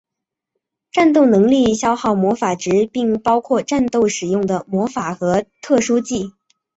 战斗能力消耗魔法值并包括战斗使用的魔法和特殊技。